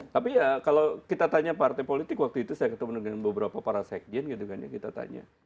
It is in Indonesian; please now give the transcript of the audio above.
tapi ya kalau kita tanya partai politik waktu itu saya ketemu dengan beberapa para sekjen gitu kan yang kita tanya